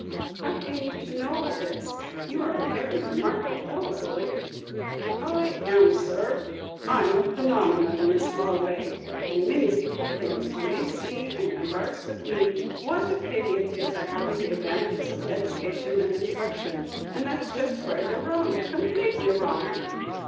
"How came you to know all this? You are a very remarkable fellow, Billy." "I am, sir; I'm a phenumenon in a small way. And many people thinks, when they see and convarse with me, what a pity it is I hav' n't the advantages of edication and instruction; and that's just where they 're wrong, complately wrong."